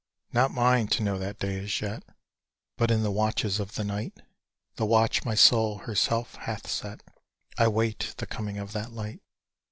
Not mine to know that day as yet; But in the watches of the night, The watch my soul herself hath set, I wait the coming of that light.